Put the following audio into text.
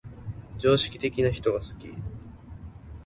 常識的な人が好き